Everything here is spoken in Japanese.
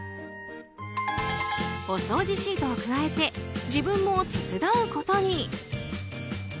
お掃除シートをくわえて自分も手伝うことに。